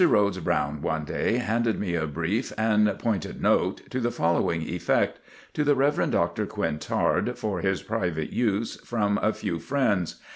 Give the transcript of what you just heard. Rhodes Brown one day handed me a brief and pointed note, to the following effect: "To the Rev. Dr. Quintard, for his private use, from a few friends."